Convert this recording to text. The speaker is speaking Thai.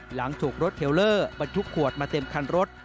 หลังถูกรถเทลเลอร์บรรทุกขวดมาเต็มคันรถ